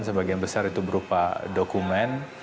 sebagian besar itu berupa dokumen